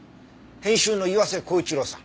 編集の岩瀬厚一郎さん